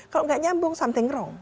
kalau nggak nyambung something wrong